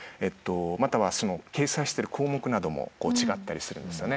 または掲載してる項目なども違ったりするんですよね。